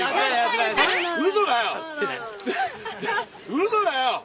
うそだよ！